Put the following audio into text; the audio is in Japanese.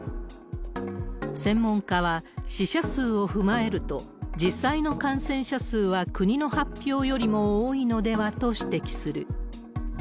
専門家は、死者数を踏まえると、実際の感染者数は国の発表よりも多いのではと指摘する。